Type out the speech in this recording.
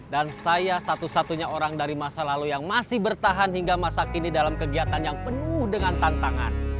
dan saya satu satunya orang dari masa lalu yang masih bertahan hingga masa kini dalam kegiatan yang penuh dengan tantangan